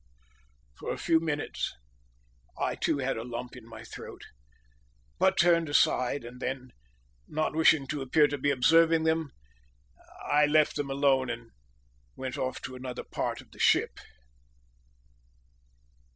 For a few minutes I too had a lump in my throat, but turned aside, and then, not wishing to appear to be observing them, I left them alone and went off to another part of the ship.